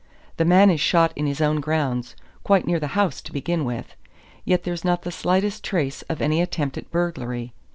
The man is shot in his own grounds, quite near the house, to begin with. Yet there's not the slightest trace of any attempt at burglary.